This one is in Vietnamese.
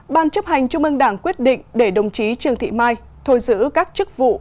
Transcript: bốn bàn chấp hành trung ương đảng quyết định để đồng chí trường thị mai thôi giữ các chức vụ